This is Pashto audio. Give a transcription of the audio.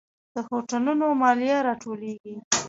د هوټلونو مالیه راټولیږي؟